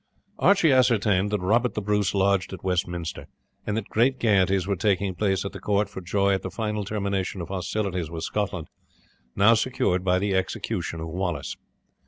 Archie ascertained that Robert the Bruce lodged at Westminster, and that great gaieties were taking place at the court for joy at the final termination of hostilities with Scotland, now secured by the execution of Wallace.